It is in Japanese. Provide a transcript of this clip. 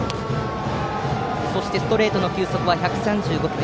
そして、ストレートの球速は１３５キロ。